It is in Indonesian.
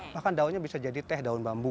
bahkan daunnya bisa jadi teh daun bambu